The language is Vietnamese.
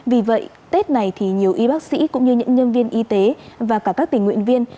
vì vậy tết này thì nhiều y bác sĩ cũng như những nhân viên y tế và cả các tình nguyện viên